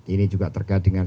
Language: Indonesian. ini juga terkait dengan